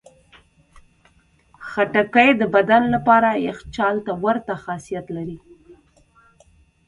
خټکی د بدن لپاره یخچال ته ورته خاصیت لري.